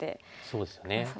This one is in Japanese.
そうですよね。